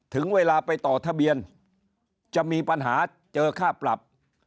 ถึงเวลาไปต่อทะเบียนจะมีปัญหาเจอค่าปรับ